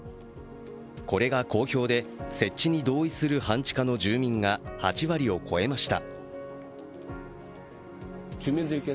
これが好評で、設置に同意する半地下の住民が８割を超えました。